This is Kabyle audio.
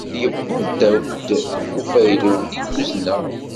Yewweḍ-ak-d ufaylu-nni i d-uzneɣ?